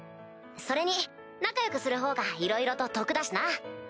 それに仲良くするほうがいろいろと得だしな。